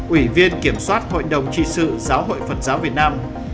ủy viên kiểm soát hội đồng trị sự giáo hội phật giáo việt nam